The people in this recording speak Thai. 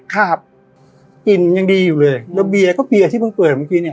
ครับกลิ่นยังดีอยู่เลยระเบียร์ก็เบียร์ที่เพิ่งเปิดเมื่อกี้เนี่ย